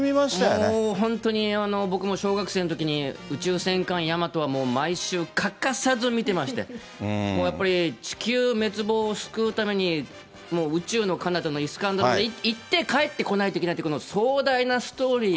もーう、本当に僕も小学生のときに、宇宙戦艦ヤマトはもう毎週、欠かさず見てまして、もうやっぱり地球滅亡を救うために、宇宙のかなたのイスカンダルへ行って帰ってこないといけないっていう、壮大なストーリー。